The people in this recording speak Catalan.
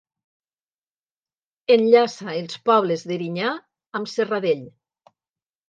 Enllaça els pobles d'Erinyà amb Serradell.